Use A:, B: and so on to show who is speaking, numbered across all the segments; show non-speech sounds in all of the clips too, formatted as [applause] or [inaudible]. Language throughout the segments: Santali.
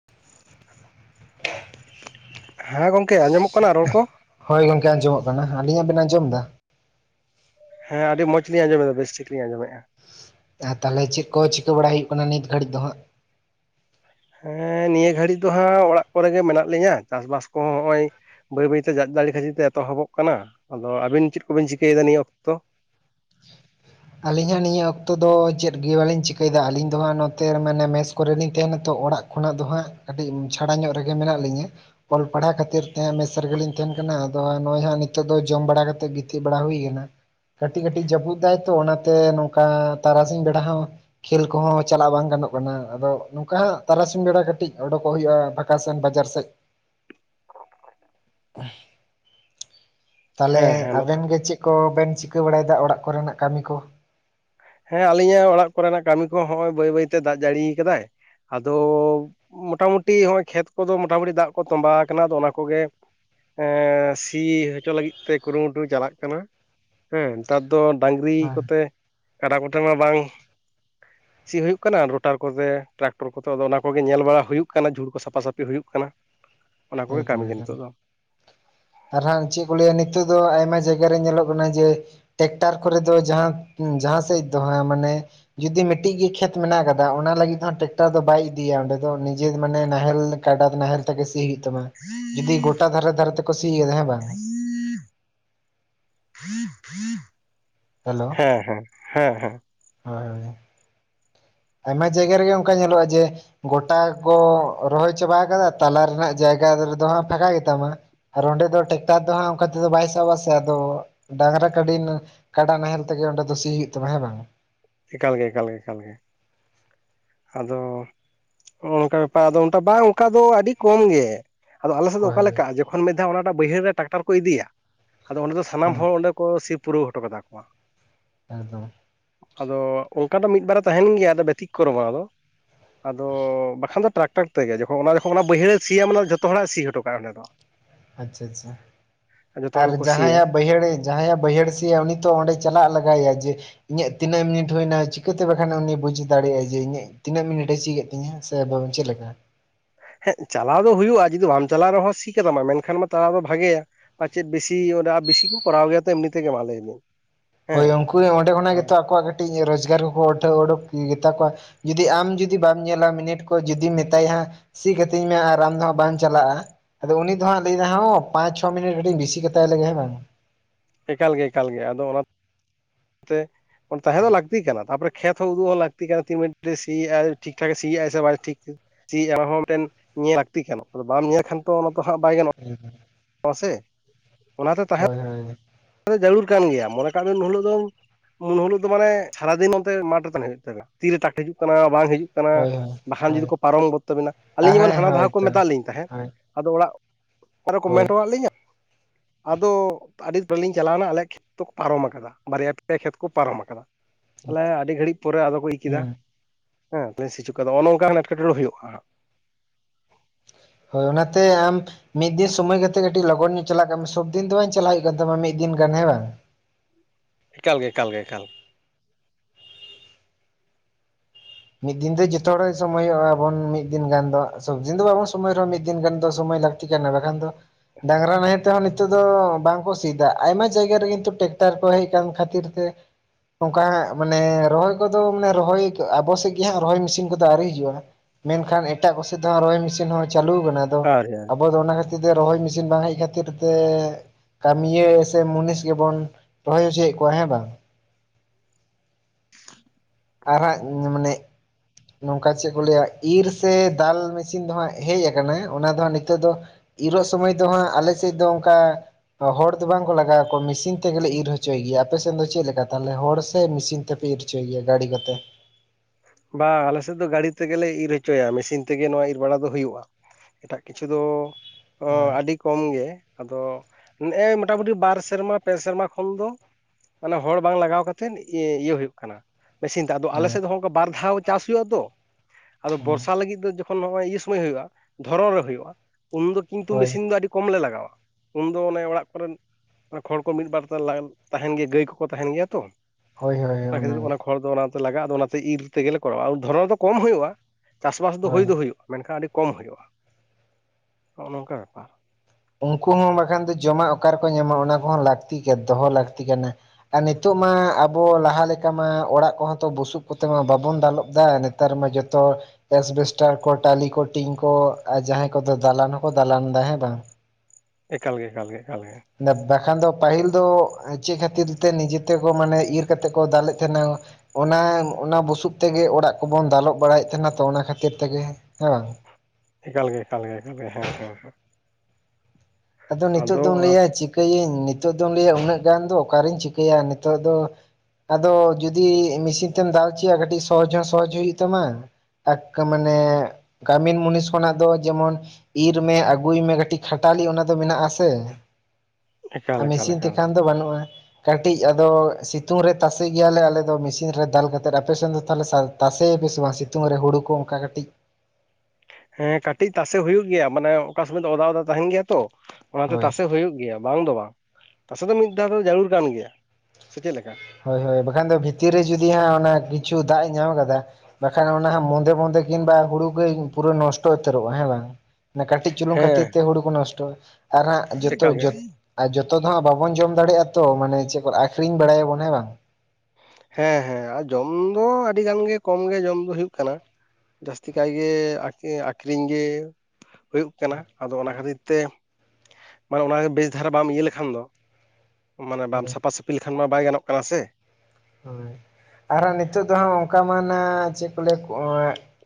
A: [inaudible] ᱦᱮᱸ ᱜᱚᱝᱠᱮ ᱟᱸᱡᱚᱢᱚᱜ ᱠᱟᱱᱟ ᱨᱚᱲ ᱠᱚ?
B: ᱦᱳᱭ ᱜᱚᱢᱠᱮ ᱟᱸᱡᱚᱢᱚᱜ ᱠᱟᱱᱟ, ᱟᱹᱞᱤᱧᱟᱜ ᱵᱮᱱ ᱟᱸᱡᱚᱢ ᱫᱟ?
A: ᱦᱮᱸ ᱟᱹᱰᱤ ᱢᱚᱸᱡᱽ ᱞᱤᱧ ᱟᱸᱡᱚᱢᱮᱫᱟ ᱵᱮᱥ ᱴᱷᱤᱠ ᱞᱤᱧ ᱟᱸᱡᱚᱢᱮᱫᱼᱟ᱾
B: ᱟᱨ ᱛᱟᱦᱚᱞᱮ ᱪᱮᱫ ᱠᱚ ᱪᱤᱠᱟᱹ ᱵᱟᱲᱟᱭ ᱦᱩᱭᱩᱜ ᱠᱟᱱᱟ ᱱᱤᱛ ᱜᱷᱟᱹᱲᱤᱡ ᱫᱚ ᱦᱟᱸᱜ?
A: ᱦᱮᱸ ᱱᱤᱭᱟᱹ ᱜᱷᱟᱹᱲᱤᱡ ᱫᱚ ᱦᱟᱸᱜ ᱚᱲᱟᱜ ᱠᱚᱨᱮ ᱜᱮ ᱢᱮᱱᱟᱜ ᱞᱤᱧᱟᱹ ᱪᱟᱥᱵᱟᱥ ᱠᱚᱦᱚᱸ ᱦᱚᱜᱼᱚᱭ ᱵᱟᱹᱭ ᱵᱟᱹᱭ ᱛᱮ ᱡᱟᱜ ᱡᱟᱲᱤ ᱠᱷᱟᱹᱛᱤᱨ ᱛᱮ ᱮᱛᱚᱦᱚᱵᱚᱜ ᱠᱟᱱᱟ᱾ ᱟᱫᱚ ᱟᱹᱵᱤᱱ ᱪᱮᱫ ᱠᱚᱵᱤᱱ ᱪᱤᱠᱟᱹᱭ ᱫᱟ ᱱᱤᱭᱟᱹ ᱚᱠᱛᱚ?
B: ᱟᱹᱞᱤᱧ ᱦᱟᱸᱜ ᱱᱤᱭᱟᱹ ᱚᱠᱛᱚ ᱫᱚ ᱪᱮᱫ ᱜᱮ ᱵᱟᱞᱤᱧ ᱪᱤᱠᱟᱹᱭ ᱫᱟ, ᱟᱹᱞᱤᱧ ᱫᱚ ᱦᱟᱸᱜ ᱱᱚᱛᱮ ᱢᱟᱱᱮ ᱢᱮᱥ ᱠᱚᱨᱮ ᱞᱤᱧ ᱛᱟᱦᱮᱱᱟ ᱛᱚ᱾ ᱚᱲᱟᱜ ᱠᱷᱚᱱᱟᱜ ᱫᱚ ᱦᱟᱸᱜ ᱠᱟᱹᱴᱤᱡ ᱪᱷᱟᱲᱟ ᱧᱚᱜ ᱨᱮᱜᱮ ᱢᱮᱱᱟᱜ ᱞᱤᱧᱟᱹ᱾ ᱚᱞ ᱯᱟᱲᱦᱟᱣ ᱠᱷᱟᱹᱛᱤᱨ ᱛᱮ ᱢᱮᱥ ᱨᱮᱜᱮ ᱞᱤᱧ ᱛᱟᱦᱮᱱ ᱠᱟᱱᱟ, ᱟᱫᱚ ᱱᱚᱜᱼᱚᱭ ᱦᱟᱜ ᱱᱤᱛᱚᱜ ᱫᱚ ᱡᱚᱢ ᱵᱟᱲᱟ ᱠᱟᱛᱮᱜ ᱜᱤᱛᱤᱡ ᱵᱟᱲᱟ ᱦᱩᱭ ᱠᱟᱱᱟ᱾ ᱠᱟᱹᱴᱤᱡ ᱠᱟᱹᱴᱤᱡ ᱡᱟᱹᱯᱩᱫ ᱫᱟᱭ ᱛᱚ ᱚᱱᱟ ᱛᱮ ᱱᱚᱝᱠᱟ ᱛᱟᱨᱟᱥᱤᱧ ᱵᱮᱲᱟ ᱦᱚᱸ ᱠᱷᱮᱞ ᱠᱚᱦᱚᱸ ᱪᱟᱞᱟᱜ ᱵᱟᱝ ᱜᱟᱱᱚᱜ ᱠᱟᱱᱟ, ᱟᱫᱚ ᱱᱚᱝᱠᱟ ᱦᱟᱸᱜ ᱛᱟᱨᱟᱥᱤᱧ ᱵᱮᱲᱟ ᱠᱟᱹᱴᱤᱡ ᱚᱰᱳᱠᱚᱜ ᱦᱩᱭᱩᱜᱼᱟ ᱵᱷᱟᱠᱟ ᱥᱮᱱ ᱵᱟᱡᱟᱨ ᱥᱮᱫ᱾ [inaudible] ᱛᱟᱦᱚᱞᱮ
A: ᱦᱮᱸ ᱦᱮᱸ
B: ᱟᱵᱮᱱ ᱜᱮ ᱪᱮᱫ ᱠᱚ ᱵᱮᱱ ᱪᱤᱠᱟᱹ ᱵᱟᱲᱟᱭᱮᱫᱟ ᱚᱲᱟᱜ ᱠᱚᱨᱮᱱᱟᱜ ᱠᱟᱹᱢᱤ ᱠᱚ?
A: ᱦᱮᱸ ᱟᱞᱤᱧᱟᱜ ᱚᱲᱟᱜ ᱠᱚᱨᱮᱱᱟᱜ ᱠᱟᱹᱢᱤ ᱠᱚ ᱦᱚᱸᱜ ᱚᱭ ᱵᱟᱹᱭ ᱵᱟᱹᱭ ᱛᱮ ᱫᱟᱜ ᱡᱟᱹᱲᱤ ᱟᱠᱟᱫᱟᱭ᱾ ᱟᱫᱚ ᱢᱚᱴᱟ ᱢᱩᱴᱤ ᱦᱚᱸᱜᱼᱚᱭ ᱠᱷᱮᱛ ᱠᱚᱫᱚ ᱢᱚᱴᱟ ᱢᱩᱴᱤ ᱫᱟᱜ ᱠᱚ ᱛᱚᱸᱵᱟᱣ ᱟᱠᱟᱱᱟ ᱟᱫᱚ ᱚᱱᱟ ᱠᱚᱜᱮ ᱥᱤ ᱦᱚᱪᱚ ᱞᱟᱹᱜᱤᱫ ᱛᱮ ᱠᱩᱨᱩ-ᱢᱩᱴᱩ ᱪᱟᱞᱟᱜ ᱠᱟᱱᱟ᱾ ᱦᱮᱸ ᱱᱮᱛᱟᱨ ᱫᱚ ᱰᱟᱝᱨᱤ
B: ᱦᱮᱸ
A: ᱠᱚᱛᱮ ᱠᱟᱰᱟ ᱠᱚᱴᱷᱮᱱ ᱢᱟ ᱵᱟᱝ
B: [inaudible]
A: ᱥᱤ ᱦᱩᱭᱩᱜ ᱠᱟᱱᱟ ᱨᱳᱴᱟᱨ ᱠᱚᱛᱮ ᱴᱨᱟᱠᱴᱚᱨ ᱠᱚᱛᱮ ᱟᱫᱚ ᱚᱱᱟ ᱠᱚᱜᱮ ᱧᱮᱞ ᱵᱟᱲᱟ ᱦᱩᱭᱩᱜ ᱠᱟᱱᱟ ᱡᱷᱩᱲ ᱠᱚ ᱥᱟᱯᱷᱟ ᱥᱟᱹᱯᱷᱤ ᱦᱩᱭᱩᱜ ᱠᱟᱱᱟ᱾ ᱚᱱᱟ ᱠᱚᱜᱮ
B: ᱮᱠᱫᱚᱢ
A: ᱠᱟᱹᱢᱤ ᱜᱮ ᱱᱤᱛᱚᱜ
B: ᱮᱠᱫᱚᱢ
A: ᱫᱚ
B: ᱟᱨ ᱦᱟᱸᱜ ᱪᱮᱫ ᱠᱚ ᱞᱟᱹᱭᱟ ᱱᱤᱛᱚᱜ ᱫᱚ ᱟᱭᱢᱟ ᱡᱟᱭᱜᱟ ᱨᱮ ᱧᱮᱞᱚᱜ ᱠᱟᱱᱟ ᱡᱮ ᱴᱮᱠᱴᱟᱨ ᱠᱚᱨᱮ ᱫᱚ ᱡᱟᱦᱟᱸ, ᱡᱟᱦᱟᱸ ᱥᱮᱫ [unintelligible] ᱢᱟᱱᱮ ᱡᱩᱫᱤ ᱢᱤᱫᱴᱤᱡ ᱜᱮ ᱠᱷᱮᱛ ᱢᱮᱱᱟᱜ ᱟᱠᱟᱫᱟ ᱚᱱᱟ ᱞᱟᱹᱜᱤᱫ ᱫᱚ ᱦᱟᱸᱜ ᱴᱨᱟᱠᱴᱟᱨ ᱫᱚ ᱵᱟᱭ ᱤᱫᱤᱭᱟ ᱚᱸᱰᱮ ᱫᱚ ᱱᱤᱡᱮᱨ ᱢᱟᱱᱮ ᱱᱟᱦᱮᱞ ᱠᱟᱰᱟ ᱱᱟᱦᱮᱞ ᱛᱮᱜᱮ ᱥᱤ ᱦᱩᱭᱩᱜ ᱛᱟᱢᱟ, ᱡᱩᱫᱤ ᱜᱚᱴᱟ ᱫᱷᱟᱨᱮ ᱫᱷᱟᱨᱮ ᱛᱮᱠᱚ ᱥᱤᱭ ᱠᱟᱫᱟᱢ ᱦᱮᱸ ᱵᱟᱝ᱾
A: [unintelligible]
B: ᱦᱮᱞᱳ
A: ᱦᱮᱸ ᱦᱮᱸ ᱦᱮᱸ ᱦᱮᱸ
B: ᱦᱳᱭ, ᱦᱳᱭ ᱟᱭᱢᱟ ᱡᱟᱭᱜᱟ ᱨᱮᱜᱮ ᱚᱱᱠᱟ ᱧᱮᱞᱚᱜᱼᱟ ᱡᱮ ᱜᱚᱴᱟ ᱠᱚ ᱨᱚᱦᱚᱭ ᱪᱟᱵᱟ ᱟᱠᱟᱫᱟ ᱛᱟᱞᱟ ᱨᱮᱱᱟᱜ ᱡᱟᱭᱜᱟ ᱨᱮᱫᱚ ᱦᱟᱸᱜ ᱯᱷᱟᱸᱠᱟ ᱜᱮ ᱛᱟᱢᱟ᱾ ᱟᱨ ᱚᱸᱰᱮ ᱫᱚ ᱴᱨᱟᱠᱴᱟᱨ ᱫᱚ ᱦᱟᱸᱜ ᱚᱱᱠᱟ ᱛᱮᱫᱚ ᱵᱟᱭ ᱥᱟᱵᱟ ᱥᱮ ᱟᱫᱚ ᱰᱟᱝᱨᱟ ᱠᱟᱹᱰᱤ ᱠᱟᱰᱟ ᱱᱟᱦᱮᱞ ᱛᱮᱜᱮ ᱚᱸᱰᱮ ᱫᱚ ᱥᱤ ᱦᱩᱭᱩᱜ ᱛᱟᱢᱟ ᱦᱮᱸ ᱵᱟᱝ?
A: ᱮᱠᱟᱞ ᱜᱮ, ᱮᱠᱟᱞ ᱜᱮ, ᱮᱠᱟᱞ ᱜᱮ ᱟᱫᱚ ᱱᱚᱜ ᱱᱚᱝᱠᱟ ᱵᱮᱯᱟᱨ ᱟᱫᱚ ᱚᱱᱛᱮ ᱵᱟᱝ ᱚᱱᱠᱟ ᱫᱚ ᱟᱹᱰᱤ ᱠᱚᱢ ᱜᱮ᱾ ᱟᱫᱚ ᱟᱞᱮ ᱥᱮᱫ ᱫᱚ
B: ᱦᱳᱭ
A: ᱚᱠᱟ ᱞᱮᱠᱟ ᱡᱚᱠᱷᱚᱱ ᱢᱤᱫ ᱫᱷᱟᱣ ᱚᱱᱟᱴᱟᱜ ᱵᱟᱹᱭᱦᱟᱹᱲ ᱨᱮ ᱴᱨᱟᱠᱴᱟᱨ ᱠᱚ ᱤᱫᱤᱭᱟ ᱟᱫᱚ ᱚᱸᱰᱮ ᱫᱚ ᱥᱟᱱᱟᱢ
B: ᱦᱳᱭ ᱦᱮᱸ
A: ᱦᱚᱲ ᱚᱸᱰᱮ ᱠᱚ ᱥᱤ ᱯᱩᱨᱟᱹᱣ ᱦᱚᱴᱚ ᱠᱟᱛᱟ ᱠᱚᱣᱟ᱾
B: ᱮᱠᱫᱚᱢ
A: ᱟᱫᱚ ᱚᱝᱠᱟ ᱫᱚ ᱢᱤᱫ ᱵᱟᱨᱭᱟ ᱛᱟᱦᱮᱸᱱ ᱜᱮᱭᱟ ᱟᱫᱚ ᱵᱮᱛᱤᱠᱨᱚᱢᱚᱜ-ᱟ ᱚᱱᱟᱫᱚ᱾ ᱟᱫᱚᱻ ᱵᱟᱠᱷᱟᱱ ᱫᱚ ᱴᱨᱟᱠᱴᱟᱨ ᱛᱮᱜᱮ ᱡᱚᱠᱷᱚᱱ ᱚᱱᱟ ᱡᱚᱠᱷᱚᱱ ᱚᱱᱟ ᱵᱟᱹᱭᱦᱟᱹᱲᱮ ᱥᱤᱭᱟᱢ ᱢᱟᱱᱮ ᱡᱷᱚᱛᱚ ᱦᱚᱲᱟᱜ ᱥᱤ ᱦᱚᱴᱚ ᱠᱟᱜᱼᱟ ᱚᱸᱰᱮ ᱫᱚ᱾
B: ᱟᱪᱪᱷᱟ ᱟᱪᱪᱷᱟ
A: ᱡᱚᱛᱚ ᱦᱚᱲ
B: ᱟᱨ
A: ᱜᱮᱠᱚ ᱥᱤᱭᱟ
B: ᱡᱟᱦᱟᱸᱭᱟᱜ ᱵᱟᱹᱭᱦᱟᱹᱲᱮ ᱡᱟᱦᱟᱸᱭᱟᱜ ᱵᱟᱹᱭᱦᱟᱹᱲ ᱥᱤᱜᱼᱟ ᱩᱱᱤ ᱛᱚ ᱚᱸᱰᱮ ᱪᱟᱞᱟᱜ ᱞᱮᱟᱜᱟᱭᱟ ᱡᱮ ᱤᱧᱟᱹᱜ ᱛᱤᱱᱟᱹᱜ ᱢᱤᱱᱤᱴ ᱦᱩᱭᱱᱟ ᱪᱤᱠᱟᱹᱛᱮ ᱵᱟᱠᱷᱟᱱᱮ ᱩᱱᱤ ᱵᱩᱡᱽ ᱫᱟᱲᱮᱭᱟᱜᱟᱭ ᱡᱮ ᱤᱧᱟᱹᱜ ᱛᱤᱱᱟᱹᱜ ᱢᱤᱱᱤᱴᱮ ᱥᱤ ᱠᱮᱫ ᱛᱤᱧᱟ ᱥᱮ [unintelligible] ᱪᱮᱫ ᱞᱮᱠᱟ?
A: ᱦᱮᱸ ᱪᱟᱞᱟᱣ ᱫᱚ ᱦᱩᱭᱩᱜᱼᱟ ᱡᱩᱫᱤ ᱵᱟᱢ ᱪᱟᱞᱟᱣ ᱨᱮᱦᱚᱸ ᱥᱤ ᱠᱟᱛᱟᱢᱟᱭ ᱢᱮᱱᱠᱷᱟᱱ ᱢᱟ ᱛᱟᱞᱟᱣ ᱫᱚ ᱵᱷᱟᱜᱤᱭᱟ᱾ ᱯᱟᱪᱮᱫ ᱵᱮᱥᱤ ᱵᱤᱥᱤ ᱠᱚ ᱠᱚᱨᱟᱣ ᱜᱮᱭᱟ ᱛᱚ ᱮᱢᱱᱤ ᱛᱮᱜᱮ ᱢᱟ ᱞᱟᱹᱭ ᱵᱤᱱ
B: ᱦᱳᱭ
A: ᱦᱮᱸ᱾
B: ᱩᱱᱠᱩ ᱚᱸᱰᱮ ᱠᱷᱚᱱᱟᱜ ᱜᱮᱛᱚ ᱟᱠᱚᱣᱟᱜ ᱠᱟᱹᱴᱤᱡ ᱨᱚᱡᱽᱜᱟᱨ ᱦᱚᱸᱠᱚ ᱩᱴᱷᱟᱹᱣ ᱩᱰᱳᱠ ᱜᱮᱛᱟ ᱠᱚᱣᱟ᱾ ᱡᱩᱫᱤ ᱟᱢ ᱡᱩᱫᱤ ᱵᱟᱢ ᱧᱮᱞᱟ ᱢᱤᱱᱤᱴ ᱠᱚ ᱡᱩᱫᱤᱢ ᱢᱮᱛᱟᱭᱟ ᱦᱟᱸᱜ ᱥᱤ ᱠᱟᱛᱤᱧ ᱢᱮ ᱟᱨ ᱟᱢ ᱫᱚ ᱦᱟᱸᱜ ᱵᱟᱝ ᱪᱟᱞᱟᱜᱼᱟ ᱟᱫᱚ ᱩᱱᱤ ᱫᱚ ᱦᱟᱸᱜ ᱞᱟᱹᱭᱫᱟ ᱦᱚᱸ ᱯᱟᱸᱪ ᱪᱷᱚ ᱢᱤᱱᱤ ᱠᱟᱹᱴᱤᱡ ᱤᱧ ᱵᱤᱥᱤ ᱠᱟᱛᱟᱭ ᱞᱮᱜᱮ ᱦᱮᱸ ᱵᱟᱝ᱾
A: ᱮᱠᱟᱞ ᱜᱮ ᱮᱠᱟᱞ ᱜᱮ ᱟᱫᱚ ᱚᱱᱟ ᱛᱮ ᱛᱟᱦᱮᱸ ᱫᱚ ᱞᱟᱹᱠᱛᱤ ᱠᱟᱱᱟ ᱛᱟᱯᱚᱨᱮ ᱠᱷᱮᱛ ᱦᱚᱸ ᱩᱫᱩᱜ ᱦᱚᱸ ᱞᱟᱠᱛᱤ ᱠᱟᱱᱟ ᱛᱤᱱ ᱢᱤᱱ ᱥᱤᱭᱮᱜ-ᱟᱭ ᱴᱷᱤᱠ ᱴᱷᱟᱠᱮ ᱥᱤᱭᱮᱜ-ᱟᱭ ᱥᱮ ᱵᱟᱭ ᱴᱷᱤᱠ ᱥᱤᱭᱮᱜᱼᱟᱭ ᱚᱱᱟ ᱦᱚᱸ ᱢᱤᱫᱴᱮᱱ ᱧᱮᱞ ᱞᱟᱹᱠᱛᱤ ᱠᱟᱱᱟ ᱵᱟᱢ ᱧᱮᱞ ᱠᱷᱟᱱᱛᱚ ᱚᱱᱟ ᱛᱚ ᱦᱟᱸᱜ ᱵᱟᱭ ᱜᱟᱱᱚᱜᱼᱟ᱾
B: [unintelligible]
A: ᱥᱮ ᱚᱱᱟᱛᱮ ᱛᱟᱦᱮᱸ
B: ᱦᱳᱭ ᱦᱳᱭ
A: ᱫᱚ ᱡᱟᱹᱨᱩᱲ ᱠᱟᱱ ᱜᱮᱭᱟ ᱢᱚᱱᱮ ᱠᱟᱜ ᱢᱮ ᱩᱱ ᱦᱤᱞᱳᱜ ᱫᱚ ᱩᱱ ᱦᱤᱞᱳᱜ ᱫᱚ ᱢᱟᱱᱮ ᱥᱟᱨᱟᱫᱤᱱ ᱚᱱᱛᱮ ᱢᱟᱴ ᱨᱮ ᱛᱟᱦᱮᱸᱱ ᱦᱩᱭᱩᱜ ᱛᱟᱵᱤᱱᱟ ᱛᱤᱨᱮ ᱴᱟᱠᱴᱟᱨ ᱦᱤᱡᱩᱜ ᱠᱟᱱᱟ ᱵᱟᱝ ᱦᱤᱡᱩᱜ ᱠᱟᱱᱟ
B: ᱦᱳᱭ
A: ᱵᱟᱠᱷᱟᱱ
B: ᱦᱳᱭ
A: ᱡᱩᱫᱤ ᱠᱚ ᱯᱟᱨᱚᱢ ᱜᱚᱫ ᱛᱟᱹᱵᱤᱱᱟ ᱟᱹᱞᱤᱧ
B: ᱦᱳᱭ
A: ᱡᱮᱢᱚᱱ
B: ᱦᱮᱸ
A: ᱦᱟᱱᱟ ᱫᱷᱟᱣ
B: ᱦᱳᱭ
A: ᱠᱚ
B: ᱛᱚ
A: ᱢᱮᱛᱟᱜ ᱞᱤᱧ ᱛᱟᱦᱮᱸᱫ
B: ᱦᱳᱭ
A: ᱟᱫᱚ ᱚᱲᱟᱜ ᱨᱮᱠᱚ ᱢᱮᱱ
B: ᱦᱳᱭ
A: ᱦᱚᱴᱚᱣᱟᱜ ᱞᱤᱧᱟᱹ ᱟᱫᱚ ᱟᱹᱰᱤ ᱯᱚᱨᱮᱞᱤᱧ ᱪᱟᱞᱟᱣᱱᱟ ᱟᱞᱮᱭᱟᱜ ᱠᱷᱮᱛ ᱠᱚ ᱯᱟᱨᱚᱢ ᱠᱟᱫᱟ ᱵᱟᱨᱭᱟ ᱯᱮᱭᱟ ᱠᱷᱮᱛ ᱠᱚ ᱯᱟᱨᱚᱢ ᱟᱠᱟᱫᱟ᱾ ᱛᱟᱦᱚᱞᱮ ᱟᱹᱰᱤ ᱜᱷᱟᱹᱲᱤᱡ ᱯᱚᱨᱮ ᱟᱫᱚ ᱠᱚ ᱤᱧ ᱠᱮᱫᱟ᱾
B: ᱦᱩᱸ
A: ᱦᱮᱸ ᱥᱤ ᱪᱩ ᱠᱮᱫᱟ ᱚᱱᱮ ᱚᱱᱠᱟᱱ ᱮᱴᱠᱮᱴᱚᱬᱮ ᱦᱩᱭᱩᱜᱼᱟ ᱦᱟᱸᱜ᱾
B: ᱦᱳᱭ ᱚᱱᱟᱛᱮ ᱟᱢ ᱢᱤᱫ ᱫᱤᱱ ᱥᱚᱢᱚᱭ ᱠᱟᱛᱮᱜ ᱠᱟᱹᱴᱤᱡ ᱞᱚᱜᱚᱱ ᱧᱚᱜ ᱪᱟᱞᱟᱜ ᱠᱟᱢᱮ ᱥᱚᱵᱽᱫᱤᱱ ᱫᱚ ᱵᱟᱝ ᱪᱟᱞᱟᱜ ᱦᱩᱭᱩᱜ ᱠᱟᱱ ᱛᱟᱢᱟ ᱢᱤᱫ ᱫᱤᱱ ᱜᱟᱱ ᱦᱮᱸ ᱵᱟᱝ?
A: ᱮᱠᱟᱞ ᱜᱮ ᱮᱠᱟᱞ ᱜᱮ ᱮᱠᱟᱞ ᱜᱮ
B: ᱢᱤᱫ ᱫᱤᱱ ᱫᱚ ᱡᱚᱛᱚ ᱦᱚᱲᱮ ᱥᱚᱢᱳᱭᱚᱜ ᱟᱵᱚᱱ ᱢᱤᱫ ᱫᱤᱱ ᱜᱟᱱ ᱫᱚ ᱥᱚᱵ ᱫᱤᱱ ᱫᱚ ᱵᱟᱵᱚᱱ ᱥᱚᱢᱚᱭ ᱨᱮᱦᱚᱸ ᱢᱤᱫ ᱫᱤᱱ ᱜᱟᱱ ᱫᱚ ᱥᱚᱢᱳᱚᱭ ᱞᱟ ᱛᱤ ᱠᱟᱱᱟ ᱵᱟᱠᱷᱟᱱ ᱫᱚ ᱰᱟᱝᱨᱟ ᱱᱟᱦᱮᱞ ᱛᱮᱦᱚᱸ ᱱᱤᱛᱚᱜ ᱫᱚ ᱵᱟᱝ ᱠᱚ ᱥᱤᱭᱫᱟ ᱟᱭᱢᱟ ᱡᱟᱭᱜᱟ ᱨᱮ ᱠᱤᱱᱛᱩ ᱴᱮᱠᱴᱟᱨ ᱠᱚ ᱦᱮᱡ ᱠᱟᱱ ᱠᱷᱟᱹᱛᱤᱨ ᱛᱮ ᱚᱱᱠᱟ ᱦᱟᱜ ᱢᱟᱱᱮ ᱨᱚᱦᱚᱭ ᱠᱚᱫᱚ ᱢᱟᱱᱮ ᱨᱚᱦᱚᱭ ᱠᱚ ᱟᱯ ᱟᱵᱚ ᱥᱮᱫ ᱜᱮ ᱦᱟᱸᱜ ᱨᱚᱦᱚᱭ ᱢᱮᱥᱤᱱ ᱠᱚᱫᱚ ᱟᱹᱣᱨᱤ ᱦᱤᱡᱩᱜᱼᱟ ᱢᱮᱱᱠᱷᱟᱱ ᱮᱴᱟᱜ ᱠᱚᱥᱮᱫ ᱫᱚ ᱨᱚᱦᱚᱭ ᱢᱮᱥᱤᱱ ᱦᱚᱸ ᱪᱟᱹᱞᱩ ᱠᱟᱱᱟ ᱫᱚ
A: ᱟᱹᱣᱨᱤ ᱟᱹᱣᱨᱤ
B: ᱟᱵᱚ ᱫᱚ ᱚᱱᱟ ᱠᱷᱟᱹᱛᱤᱨ ᱛᱮ ᱨᱚᱦᱚᱭ ᱢᱮᱥᱤᱱ ᱵᱟᱝ ᱦᱮᱡ ᱠᱷᱟᱹᱛᱤᱨ ᱛᱮ ᱠᱟᱹᱢᱤᱭᱟᱹ ᱥᱮ ᱢᱩᱱᱤᱥ ᱜᱮᱵᱚᱱ ᱨᱚᱦᱚᱭ ᱦᱚᱪᱚᱭᱮᱫ ᱠᱚᱣᱟ ᱦᱮᱸ ᱵᱟᱝ? ᱟᱨ ᱦᱟᱜᱸ ᱢᱟᱱᱮ ᱱᱚᱝᱠᱟ ᱪᱮᱫ ᱠᱚ ᱞᱟᱹᱭᱟ ᱤᱨ ᱥᱮ ᱫᱟᱞ ᱢᱮᱥᱤᱱ ᱫᱚ ᱦᱟᱸᱜ ᱦᱮᱡ ᱠᱟᱱᱟ ᱚᱱᱟ ᱫᱚ ᱦᱟᱸᱜ ᱱᱤᱛᱚᱜ ᱫᱚ ᱤᱨᱚᱜ ᱥᱚᱢᱚᱭ ᱫᱚ ᱦᱟᱸᱜ ᱟᱞᱮ ᱥᱮᱫ ᱫᱚ ᱚᱝᱠᱟ ᱦᱚᱲ ᱫᱚ ᱵᱟᱝᱠᱚ ᱞᱟᱜᱟᱣ ᱠᱚᱣᱟ ᱢᱮᱥᱤᱱ ᱛᱮᱜᱮᱞᱮ ᱤᱨ ᱦᱚᱪᱚᱭ ᱜᱮᱭᱟ ᱟᱯᱮᱥᱮᱱ ᱫᱚ ᱪᱮᱫ ᱞᱮᱠᱟ ᱛᱟᱦᱚᱞᱮ ᱦᱚᱲ ᱥᱮ ᱢᱮᱥᱤᱱ ᱛᱮ ᱤᱨ ᱦᱚᱪᱚᱭ ᱜᱮᱭᱟ ᱜᱟᱹᱲᱤ ᱠᱚᱛᱮ?
A: ᱵᱟᱝ ᱟᱞᱮᱥᱮᱫ ᱫᱚ ᱜᱟᱹᱲᱤ ᱛᱮᱜᱮᱞᱮ ᱤᱨ ᱦᱚᱪᱚᱭᱟ ᱢᱮᱥᱤᱱ ᱛᱮᱜᱮ ᱱᱚᱜᱼᱚᱭ ᱤᱨ ᱵᱟᱲᱟ ᱫᱚ ᱦᱩᱭᱩᱜᱼᱟ᱾ ᱮᱴᱟᱜ ᱠᱤᱪᱷᱩ ᱫᱚ ᱚ
B: ᱦᱳᱭ
A: ᱟᱹᱰᱤ ᱠᱚᱢ ᱜᱮ ᱟᱫᱚ ᱱᱮᱜᱼᱮ ᱢᱚᱴᱟᱢᱩᱴᱤ ᱵᱟᱨ ᱥᱮᱨᱢᱟ ᱯᱮ ᱥᱮᱨᱢᱟ ᱠᱷᱚᱱ ᱫᱚ ᱢᱟᱱᱮ ᱦᱚᱲ ᱵᱟᱝ ᱞᱟᱜᱟᱣ ᱠᱟᱛᱮᱫ ᱤ ᱤᱭᱟᱹ ᱦᱩᱭᱩᱜ ᱠᱟᱱᱟ ᱢᱮᱥᱤᱱ ᱟᱫᱚ ᱟᱞᱮ
B: ᱦᱳᱭ
A: ᱥᱮᱫ ᱫᱚ ᱦᱚᱸᱠᱟ ᱵᱟᱨ ᱫᱷᱟᱣ ᱪᱟᱥ ᱦᱩᱭᱩᱜ ᱟᱛᱚ ᱟᱫᱚ ᱵᱚᱨᱥᱟ ᱞᱟᱹᱜᱤᱫ ᱫᱚ ᱚᱠᱷᱚᱱ ᱱᱚᱜᱼᱚᱭ ᱤᱭᱟᱹ ᱥᱚᱢᱚᱭ ᱦᱳᱭᱳᱜᱼᱟ ᱫᱷᱚᱨᱚᱱ ᱨᱮ ᱦᱳᱭᱳᱜᱼᱟ ᱩᱱᱫᱚ ᱠᱤᱱᱛᱩ
B: ᱦᱳᱭ
A: ᱢᱮᱥᱤᱱ ᱫᱚ ᱟᱹᱰᱤ ᱠᱚᱢᱞᱮ ᱞᱟᱜᱟᱣᱟ᱾ ᱩᱱᱫᱚ ᱚᱱᱮ ᱚᱲᱟᱜ ᱠᱚᱨᱮᱱ ᱦᱚᱲ ᱠᱚ ᱢᱤᱫ ᱵᱟᱨ ᱛᱟᱦᱮᱸᱱ ᱜᱮᱭᱟ ᱜᱟᱹᱭ ᱠᱚᱠᱚ ᱛᱟᱦᱮᱸᱱ ᱜᱮᱭᱟ ᱛᱚ᱾
B: ᱦᱳᱭ ᱦᱳᱭ
A: ᱚᱱᱟ ᱠᱷᱟᱹᱛᱤᱨ ᱛᱮ
B: ᱚᱱᱟᱜᱮ
A: ᱚᱱᱮᱠ ᱦᱚᱲ ᱫᱚ ᱚᱱᱟᱛᱮ ᱞᱟᱜᱟᱜᱼᱟ ᱟᱫᱚ ᱚᱱᱟᱛᱮ ᱤᱨ ᱛᱮᱜᱮᱞᱮ ᱠᱚᱨᱟᱣᱟ ᱫᱷᱚᱨᱚᱱ ᱨᱮᱫᱚ ᱠᱚᱢ ᱦᱳᱭᱳᱜᱼᱟ᱾ ᱪᱟᱥᱵᱟᱥ ᱫᱚ ᱦᱩᱭ
B: ᱦᱳᱭ
A: ᱫᱚ ᱦᱩᱭᱩᱜᱼᱟ ᱢᱮᱱᱠᱷᱟᱱ ᱟᱹᱰᱤ ᱠᱚᱢ ᱦᱩᱭᱩᱜᱼᱟ ᱱᱚᱜᱼᱚ ᱱᱚᱝᱠᱟ ᱵᱮᱯᱟᱨ᱾
B: ᱩᱱᱠᱩ ᱦᱚᱸ ᱵᱟᱠᱷᱟᱱ ᱫᱚ ᱡᱚᱢᱟᱜ ᱚᱠᱟ ᱨᱮᱠᱚ ᱧᱟᱢᱟ ᱚᱱᱟ ᱠᱚᱦᱚᱸ ᱞᱟᱹᱠᱛᱤ ᱜᱮᱭᱟ ᱫᱚᱦᱚ ᱞᱟᱹᱠᱛᱤ ᱠᱟᱱᱟ᱾ ᱟᱨ ᱱᱤᱛᱚᱜ ᱢᱟ ᱟᱵᱚ ᱞᱟᱦᱟ ᱞᱮᱠᱟ ᱢᱟ ᱚᱲᱟᱜ ᱠᱚᱦᱚᱸ ᱛᱚ ᱵᱩᱥᱩᱵ ᱠᱚᱛᱮ ᱢᱟ ᱵᱟᱵᱚᱱ ᱫᱟᱞᱚᱵ ᱫᱟ ᱱᱤᱛ -ᱛᱟᱨ ᱢᱟ ᱡᱚᱛᱚ ᱮᱥᱵᱮᱥᱴᱟᱨ ᱠᱚ ᱴᱟᱞᱤ ᱠᱚ ᱴᱤᱝ ᱠᱚ ᱟᱨ ᱡᱟᱦᱟᱸᱭ ᱠᱚᱫᱚ ᱫᱟᱞᱟᱱ ᱦᱚᱸᱠᱚ ᱫᱟᱞᱟᱱ ᱫᱟ ᱦᱮᱸ ᱵᱟᱝ?
A: ᱮᱠᱟᱞ ᱜᱮ ᱮᱠᱟᱞ ᱜᱮ ᱮᱠᱟᱞ ᱜᱮ᱾
B: ᱵᱟᱠᱷᱟᱱ ᱫᱚ ᱯᱟᱹᱦᱤᱞ ᱫᱚ ᱪᱮᱫ ᱠᱷᱟᱹᱛᱤᱨ ᱛᱮ ᱱᱤᱡᱮ ᱛᱮᱠᱚ ᱢᱟᱱᱮ ᱤᱨ ᱠᱟᱛᱮᱫ ᱠᱚ ᱫᱟᱞᱮᱫ ᱛᱟᱦᱮᱱᱟ? ᱚᱱᱟ ᱚᱱᱟ ᱵᱩᱥᱩᱵ ᱛᱮᱜᱮ ᱚᱲᱟᱜ ᱠᱚᱵᱚᱱ ᱫᱟᱞᱚᱵ ᱵᱟᱲᱟᱭᱮᱫ ᱛᱟᱦᱮᱱᱟ ᱛᱚ ᱚᱱᱟ ᱠᱷᱟᱹᱛᱤᱨ ᱛᱮᱜᱮ᱾ ᱦᱮᱸ ᱵᱟᱝ?
A: ᱮᱠᱟᱞᱜᱮ ᱮᱠᱟᱞᱜᱮ ᱮᱠᱟᱞᱮ ᱦᱮᱸ ᱦᱮᱸ᱾
B: ᱟᱫᱚ ᱱᱤᱛᱚᱜ ᱫᱚᱢ ᱞᱟᱹᱭᱟ ᱪᱤᱠᱟᱹᱭᱟᱹᱧ ᱱᱤᱛᱚᱜ ᱫᱚᱢ ᱞᱟᱹᱭᱟ ᱩᱱᱟᱹᱜ ᱜᱟᱱ ᱫᱚ ᱚᱠᱟᱨᱤᱧ ᱪᱤᱠᱟᱹᱭᱟ ᱱᱤᱛᱚᱜ ᱫᱚ᱾ ᱟᱫᱚ ᱡᱩᱫᱤ ᱢᱮᱥᱤᱱ ᱛᱮᱢ ᱫᱟᱞ ᱦᱚᱪᱚᱭᱟ ᱠᱟᱹᱴᱤᱡ ᱥᱚᱦᱚᱡ ᱦᱚᱸ ᱥᱚᱦᱚᱡ ᱦᱩᱭᱩᱜ ᱛᱟᱢᱟ᱾ ᱮᱠ ᱢᱟᱱᱮ ᱠᱟᱹᱢᱤᱱ ᱢᱩᱱᱤᱥ ᱠᱷᱚᱱᱟᱜ ᱫᱚ ᱡᱮᱢᱚᱱ ᱤᱨ ᱢᱮ ᱟᱹᱜᱩᱭ ᱢᱮ ᱠᱟᱹᱴᱤᱡ ᱠᱷᱟᱴᱟᱞᱤ ᱚᱱᱟ ᱫᱚ ᱢᱮᱱᱟᱜ-ᱟ ᱥᱮ
A: ᱮᱠᱟᱞ ᱮᱠᱟᱞ
B: ᱢᱮᱥᱤᱱ
A: ᱮᱠᱟᱞ
B: ᱛᱮᱠᱷᱟᱱ ᱫᱚ ᱵᱟᱹᱱᱩᱜᱼᱟ᱾ ᱠᱟᱹᱴᱤᱡ ᱟᱫᱚ ᱥᱤᱛᱩᱝ ᱨᱮ ᱛᱟᱥᱮ ᱜᱮᱭᱟᱞᱮ ᱟᱞᱮ ᱫᱚ ᱢᱮᱥᱤᱱ ᱨᱮ ᱫᱟᱞ ᱠᱟᱛᱮᱫ ᱟᱯᱮᱥᱮᱱ ᱫᱚ ᱛᱟᱦᱚᱞᱮ ᱥᱟ ᱛᱟᱥᱮ ᱭᱟᱯᱮ ᱥᱮ ᱵᱟᱝ ᱥᱤᱛᱩᱝ ᱨᱮ ᱦᱩᱲᱩ ᱠᱚ ᱚᱱᱠᱟ ᱠᱟᱹᱴᱤᱡ?
A: ᱦᱮᱸ ᱠᱟᱹᱴᱤᱡ ᱛᱟᱥᱮ ᱦᱩᱭᱩᱜ ᱜᱮᱭᱟ ᱢᱟᱱᱮ ᱚᱠᱟ ᱥᱩᱢᱚᱭ ᱫᱚ ᱚᱫᱟ ᱚᱫᱟ ᱛᱟᱦᱮᱱ ᱜᱮᱭᱟ ᱛᱚ ᱚᱱᱟᱛᱮ
B: ᱦᱳᱭ
A: ᱛᱟᱥᱮ ᱦᱩᱭᱩᱜ ᱜᱮᱭᱟ᱾ ᱵᱟᱝ ᱫᱚ ᱵᱟᱝ ᱛᱟᱥᱮ ᱫᱚ ᱢᱤᱫ ᱫᱷᱟᱣ ᱫᱚ ᱡᱟᱹᱨᱩᱲ ᱠᱟᱱ ᱜᱮᱭᱟ᱾ ᱥᱮ ᱪᱮᱫ ᱞᱮᱠᱟ?
B: ᱦᱳᱭ ᱦᱳᱭ ᱵᱟᱠᱷᱟᱱ ᱫᱚ ᱵᱷᱤᱛᱤᱨ ᱨᱮ ᱡᱩᱫᱤ ᱦᱟᱸᱜ ᱚᱱᱟ ᱠᱤᱪᱷᱩ ᱫᱟᱜ ᱮ ᱧᱟᱢ ᱠᱟᱫᱟ᱾ ᱵᱟᱠᱷᱟᱱ ᱚᱱᱟ ᱢᱚᱫᱮ ᱢᱚᱫᱮ ᱠᱤᱱᱵᱟ ᱦᱩᱲᱩ ᱜᱮ ᱯᱩᱨᱟᱹ ᱱᱚᱥᱴᱚ ᱩᱛᱟᱹᱨᱚᱜᱼᱟ᱾ ᱦᱮᱸ ᱵᱟᱝ? ᱚᱱᱟ ᱠᱟᱹᱴᱤᱡ ᱪᱩᱞᱩᱝ
A: ᱦᱮᱸ
B: ᱠᱷᱟᱹᱛᱤᱨ ᱛᱮ ᱦᱩᱲᱩ ᱠᱚ ᱱᱚᱥᱴᱚᱜ ᱟᱨ ᱦᱟᱸᱜ ᱡᱚᱛᱚ
A: ᱮᱠᱟᱞ ᱜᱮ
B: ᱡᱚᱛ ᱟᱨ ᱡᱚᱛᱚ ᱫᱚᱦᱟᱸᱜ ᱵᱟᱵᱚᱱ ᱡᱚᱢ ᱫᱟᱲᱮᱭᱟᱜᱼᱟ ᱛᱚ ᱢᱟᱱᱮ ᱪᱮᱫ ᱠᱚ ᱟᱠᱷᱨᱤᱧ ᱵᱟᱲᱟᱭᱟᱵᱚᱱ ᱦᱮᱸ ᱵᱟᱝ᱾
A: ᱦᱮᱸ ᱦᱮᱸ ᱟᱨ ᱡᱚᱢ ᱫᱚ ᱟᱹᱰᱤ ᱜᱟᱱ ᱜᱮ ᱠᱚᱢ ᱜᱮ ᱡᱚᱢ ᱫᱚ ᱦᱩᱭᱩᱜ ᱠᱟᱱᱟ᱾ ᱡᱟᱹᱥᱛᱤ ᱠᱟᱭᱜ ᱜᱮ ᱟᱠᱷᱨᱤᱧ ᱜᱮ ᱦᱩᱭᱩᱜ ᱠᱟᱱᱟ ᱟᱫᱚ ᱚᱱᱟ
B: ᱦᱳᱭ
A: ᱠᱷᱟᱹᱛᱤᱨ᱾ ᱛᱮ ᱢᱟᱱᱮ ᱚᱱᱟ ᱵᱮᱥ ᱫᱷᱟᱨᱟ ᱵᱟᱢ ᱤᱭᱟᱹ ᱞᱮᱠᱷᱟᱱ ᱫᱚ ᱢᱟᱱᱮ
B: ᱦᱳᱭ
A: ᱵᱟᱢ ᱥᱟᱯᱷᱟ ᱥᱟᱯ᱾ ᱯᱤᱞᱮ ᱠᱷᱟᱱ ᱢᱟ ᱵᱟᱭ ᱜᱟᱱᱚᱜ ᱠᱟᱱᱟ ᱥᱮ᱾
B: ᱦᱸ ᱟᱨ ᱱᱤᱛᱳᱜ ᱫᱚ ᱦᱟᱸᱜ ᱚᱱᱠᱟ ᱢᱟᱱᱟ ᱪᱮᱫ ᱠᱚ ᱞᱟᱹ?